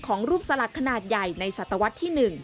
ของรูปสลักขนาดใหญ่ในศตวรรษที่๑